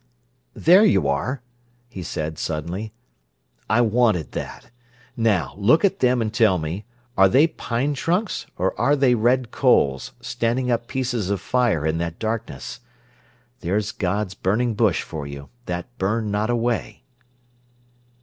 "There you are!" he said suddenly. "I wanted that. Now, look at them and tell me, are they pine trunks or are they red coals, standing up pieces of fire in that darkness? There's God's burning bush for you, that burned not away."